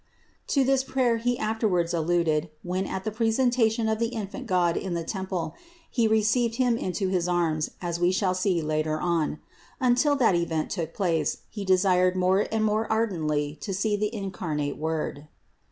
To this prayer he afterwards alluded when, at the presen tation of infant God in the temple, He received Him into his arms, as we shall see later on. Until that event took place he desired more and more ardently to see the incarnate Word.